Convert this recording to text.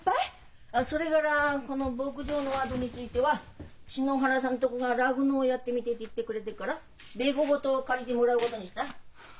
それからこの牧場のあとについては篠原さんとこが酪農やってみてえって言ってくれてっから牛ごと借りてもらうことにした。